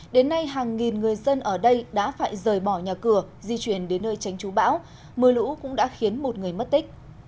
đến nay hàng nghìn người dân ở đây đã phải rời bỏ nhà cửa di chuyển đến nơi tránh chú bão mưa lũ cũng đã khiến một người mất tích